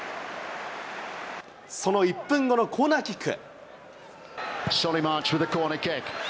その１分後のコーナーキック。